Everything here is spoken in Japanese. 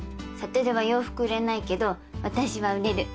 悟は洋服売れないけど私は売れる。